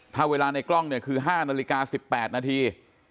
ถ้าเวลาในกล้องเนี่ยคือ๕นาฬิกา๑๘นาที